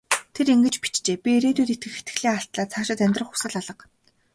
Тэр ингэж бичжээ: "Би ирээдүйд итгэх итгэлээ алдлаа. Цаашид амьдрах хүсэл алга".